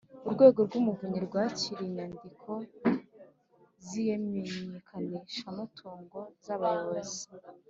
Urwego rw’Umuvunyi rwakiriye inyandiko z’imenyekanishamutungo z’abayobozi